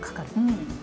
うん。